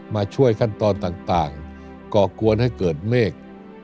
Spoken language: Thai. มาช่วยขั้นตอนต่างก่อกวนให้เกิดเมฆ